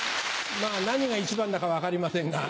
まぁ何が一番だか分かりませんが。